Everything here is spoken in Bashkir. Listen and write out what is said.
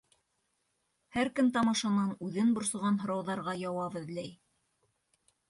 Һәр кем тамашанан үҙен борсоған һорауҙарға яуап эҙләй.